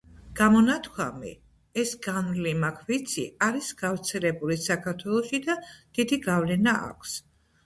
გამონათქვამი''ეს განვლილი მაქ ვიცი'' არის გავრცელებული საქართველოში და დიდი გავლენა აქვს